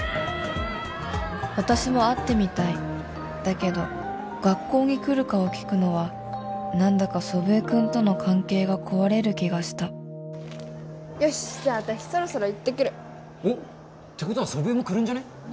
私も会ってみたいだけど学校に来るかを聞くのは何だか祖父江君との関係が壊れる気がしたよしっじゃあ私そろそろ行ってくるおっってことは祖父江も来るんじゃね？